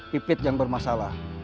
pipit yang bermasalah